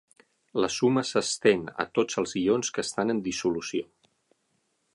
La suma s'estén a tots els ions que estan en dissolució.